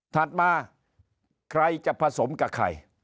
ถัดมาใครจะผสมกับใคร